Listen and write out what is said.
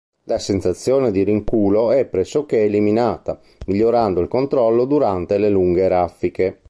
La sensazione di rinculo è pressoché eliminata, migliorando il controllo durante le lunghe raffiche.